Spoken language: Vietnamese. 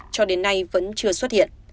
cho đến nay vẫn chưa xuất hiện